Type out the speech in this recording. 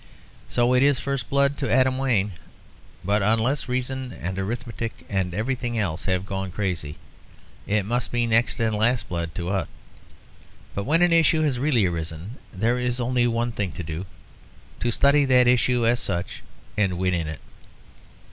So it is first blood to Adam Wayne. But, unless reason and arithmetic and everything else have gone crazy, it must be next and last blood to us. But when an issue has really arisen, there is only one thing to do to study that issue as such and win in it.